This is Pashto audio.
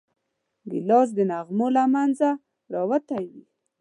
ګیلاس د نغمو له منځه راوتی وي.